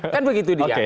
kan begitu dia